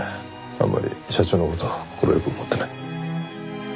あんまり社長の事を快く思ってない？